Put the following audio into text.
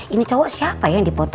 ini cowok siapa ya yang dipoto